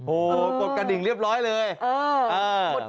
โอ้โหกดกระดิ่งเรียบร้อยเลย